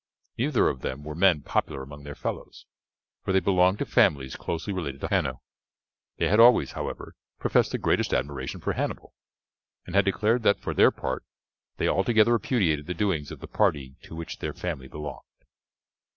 Neither of them were men popular among their fellows, for they belonged to families closely related to Hanno. They had always, however, professed the greatest admiration for Hannibal, and had declared that for their part they altogether repudiated the doings of the party to which their family belonged.